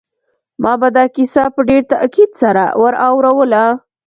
ما به دا کیسه په ډېر تاکید سره ور اوروله